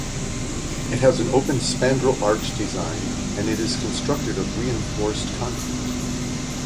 It has an open spandrel arch design, and it is constructed of reinforced concrete.